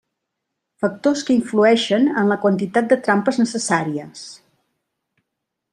Factors que influïxen en la quantitat de trampes necessàries.